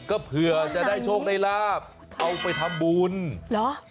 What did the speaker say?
คือเพื่อจะได้โชคในลาภเอาไปทำภูติ